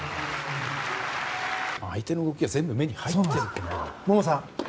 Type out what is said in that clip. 相手の動きが全部目に入っているんですかね。